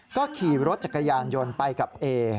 ก็ขี่รถจักรยานยนต์ไปกับเอ